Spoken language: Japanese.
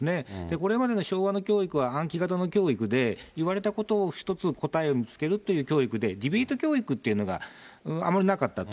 これまでの昭和の教育は、暗記型教育で、言われたことを１つ答えを見つけるっていう教育で、ディベート教育というのがあまりなかったと。